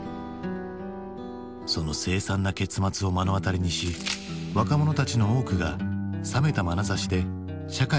その凄惨な結末を目の当たりにし若者たちの多くが冷めたまなざしで社会との距離をとった７０年代。